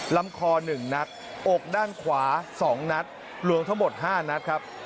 ลำคอ๑นัดอกด้านขวา๒นัดรวมทั้งหมด๕นัดครับ